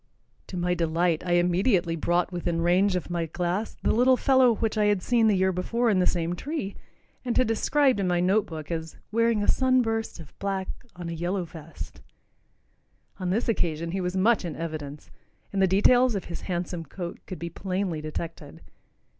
To my delight I immediately brought within range of my glass the little fellow which I had seen the year before in the same tree, and had described in my note book as "wearing a sun burst of black on a yellow vest." On this occasion he was much in evidence, and the details of his handsome coat could be plainly detected.